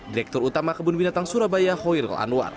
direktur utama kebun binatang surabaya hoirul anwar